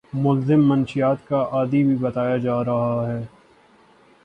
ملزم مشیات کا عادی بھی بتایا جا رہا ہے